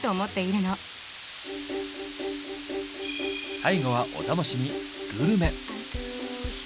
最後はお楽しみ「グルメ」。